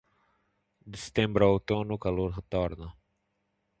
De setembro a outono, o calor retorna.